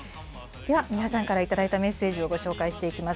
では皆さんから頂いたメッセージをご紹介していきます。